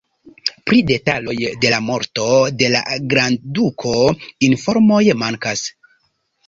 Pri detaloj de la morto de la grandduko informoj mankas.